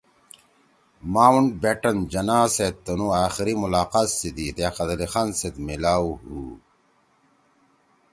ماؤنٹ بیٹن جناح سیت تنُو آخری ملاقات سی دی لیاقت علی خان سیت میِلاؤ ہُو۔